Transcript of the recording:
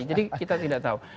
jadi kita tidak tahu